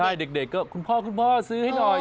ใช่เด็กด้วยพ่อซื้อให้หน่อย